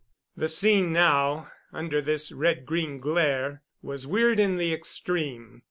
The scene now, under this red green glare, was weird in the extreme.